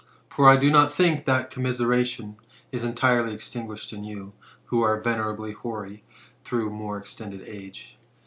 For I do not think that commiseration is entirely extinguished in you, who are venerably hoary through more extended age.